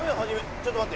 ちょっと待って？